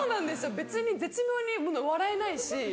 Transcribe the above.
別に絶妙に笑えないし。